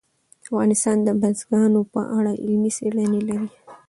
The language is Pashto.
افغانستان د بزګانو په اړه علمي څېړنې لري.